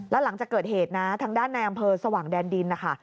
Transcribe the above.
แล้วหลังจากเกิดเหตุนะทางด้านในอำเภอสว่างแดนดินนะคะ